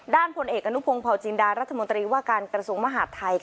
ด้านภนเอกกันหนุ่มภงเผาจีนดารัฐมนตรีวการกระทรวงมหาธรรมไทย